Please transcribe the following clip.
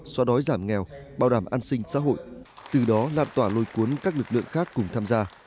xóa đói giảm nghèo bảo đảm an sinh xã hội từ đó lan tỏa lôi cuốn các lực lượng khác cùng tham gia